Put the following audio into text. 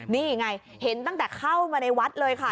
นี่ไงเห็นตั้งแต่เข้ามาในวัดเลยค่ะ